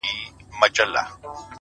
نوره گډا مه كوه مړ به مي كړې.